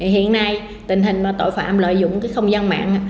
hiện nay tình hình tội phạm lợi dụng không gian mạng